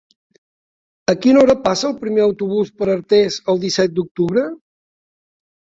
A quina hora passa el primer autobús per Artés el disset d'octubre?